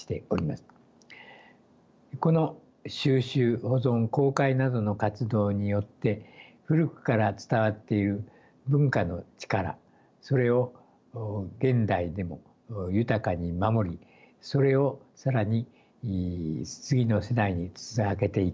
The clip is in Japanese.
この収集保存公開などの活動によって古くから伝わっている文化の力それを現代でも豊かに守りそれを更に次の世代につなげていくこと。